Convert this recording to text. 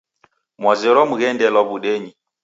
Mwazerwa mghendelwa w'udenyi